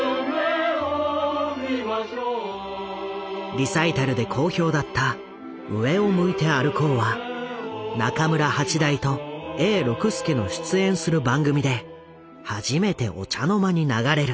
リサイタルで好評だった「上を向いて歩こう」は中村八大と永六輔の出演する番組で初めてお茶の間に流れる。